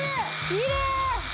きれーい！